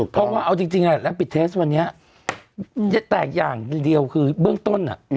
เพราะว่าเอาจริงแล้วปิดเทสวันนี้แตกอย่างเดียวคือเบื้องต้น